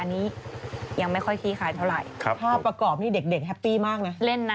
อันนี้ยังไม่ค่อยคี่คายเท่าไรครับถ้าประกอบนี่เด็กแฮปปี้มากนะ